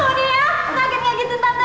nggak akan begitu tante